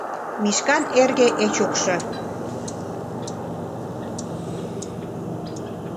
Мишкан эрге Эчукшо